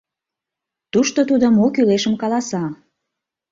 — Тушто тудо мо кӱлешым каласа.